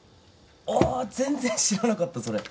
あっ全然知らなかったそれ。